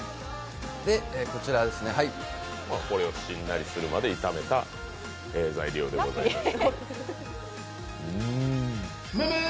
しんなりするまで炒めた材料でございます。